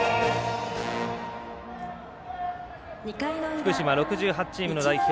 福島６８チームの代表